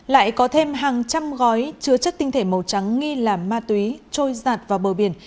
lại có thêm hàng trăm gói chứa chất tinh thể màu trắng nghi là ma túy trôi giạt vào bờ biển